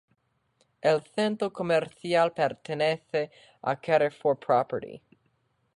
El centro comercial pertenece a Carrefour Property.